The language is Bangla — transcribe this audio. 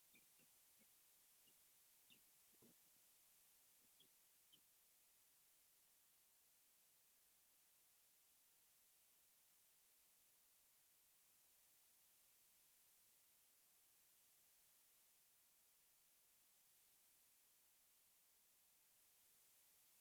হরিমোহিনী ঘরে প্রবেশ করিতে গোরা তাঁহাকে প্রণাম করিল।